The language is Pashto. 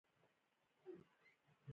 شیخانو او زاهدانو ته هم بد ویل شوي دي.